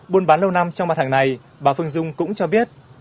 buôn bán lâu năm trong mặt hàng này bà phương dung cũng cho biết